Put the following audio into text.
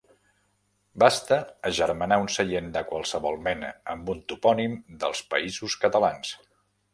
Basta agermanar un seient de qualsevol mena amb un topònim dels Països Catalans.